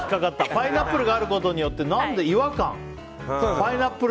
パイナップルがあったことによって違和感。